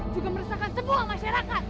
juga meresahkan sebuah masyarakat